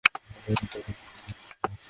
এ হলো কাযী মাওয়ারদির বক্তব্য।